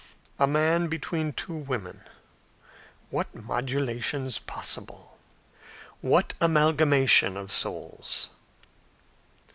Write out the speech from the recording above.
A man between two women. What modulations possible! What amalgamation of souls!